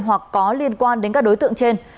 hoặc có liên quan đến các đối tượng trên